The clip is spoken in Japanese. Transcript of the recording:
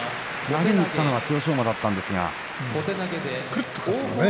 投げを打ったのは千代翔馬だったんですが。